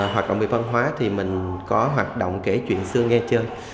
hoạt động về văn hóa thì mình có hoạt động kể chuyện xưa nghe chơi